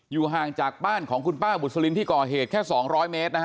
ห่างจากบ้านของคุณป้าบุษลินที่ก่อเหตุแค่๒๐๐เมตรนะฮะ